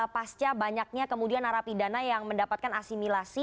pasca banyaknya kemudian arah pidana yang mendapatkan asimilasi